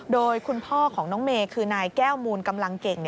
โดยคุณพ่อของน้องเมย์คือนายแก้วมูลกำลังเก่ง